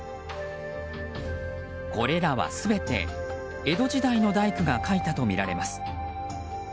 これらは全て、江戸時代の大工が描いたとみられています。